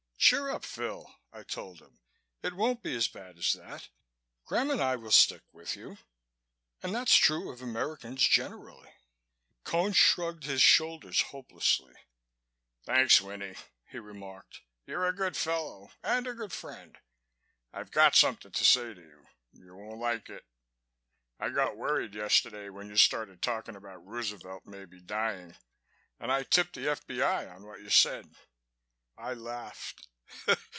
"Cheer up, Phil," I told him. "It won't be as bad as that. Graham and I will stick with you and that's true of Americans generally." Cone shrugged his shoulders hopelessly. "Thanks, Winnie," he remarked. "You're a good fellow and a good friend. I've got something to say to you. You won't like it. I got worried yesterday when you started talking about Roosevelt maybe dying and I tipped the F.B.I. on what you said." I laughed.